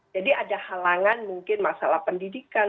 jadi ada halangan mungkin masalah pendidikan